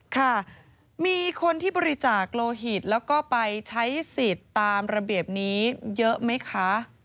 ค่ะมีคนที่บริจาคโลหิตแล้วก็ไปใช้สิทธิ์ตามระเบียบนี้เยอะไหมคะ